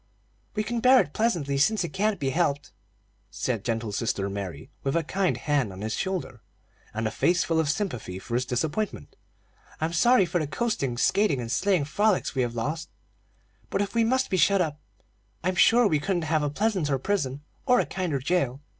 "We can bear it pleasantly, since it can't be helped," said gentle sister Mary, with a kind hand on his shoulder, and a face full of sympathy for his disappointment. "I'm sorry for the coasting, skating, and sleighing frolics we have lost; but if we must be shut up, I'm sure we couldn't have a pleasanter prison or a kinder jailer.